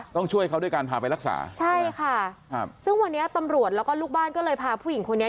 ต้องช่วยเขาด้วยการพาไปรักษาใช่ค่ะครับซึ่งวันนี้ตำรวจแล้วก็ลูกบ้านก็เลยพาผู้หญิงคนนี้